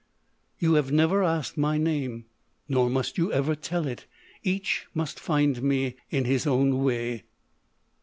You have never asked my name, nor must you ever tell it Each must find me in his own way."